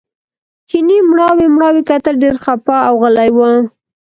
چیني مړاوي مړاوي کتل ډېر خپه او غلی و.